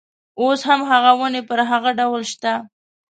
اوس هم هغه ونې پر هغه ډول شته.